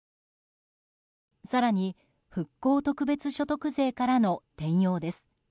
更に、復興特別所得税からの転用です。